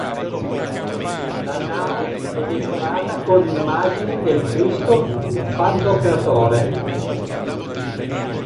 La Naos è decorata con immagini del Cristo Pantocratore.